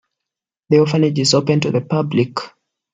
The orphanage is open to the public.